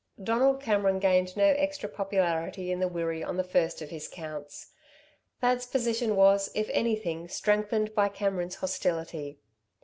Donald Cameron gained no extra popularity in the Wirree on the first of his counts. Thad's position was, if anything, strengthened by Cameron's hostility.